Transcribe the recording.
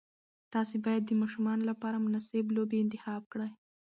تاسي باید د ماشومانو لپاره مناسب لوبې انتخاب کړئ.